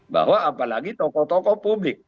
bahwa apalagi tokoh tokoh publik